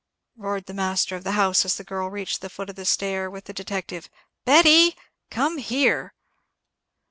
roared the master of the house, as the girl reached the foot of the stair with the detective; "Betty, come here!"